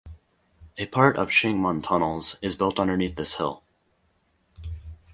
A part of Shing Mun Tunnels is built underneath this hill.